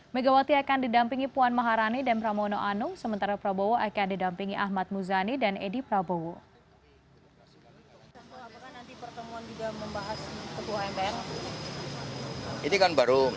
megawati akan didampingi puan maharani dan pramono anung sementara prabowo akan didampingi ahmad muzani dan edi prabowo